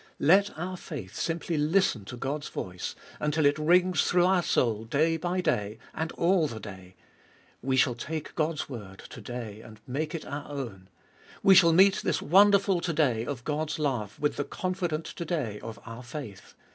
2. Let our faith simply listen to God's voice, until it rings through our soul day by day, and all the day. We shall take God's word To day, and make it our own. We shall meet this wonderful To day of God's love with the confident To day of our faith.